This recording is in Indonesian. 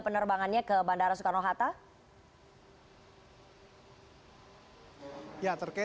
penerbangannya ke bandara soekarno hatta